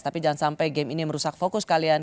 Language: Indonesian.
tapi jangan sampai game ini merusak fokus kalian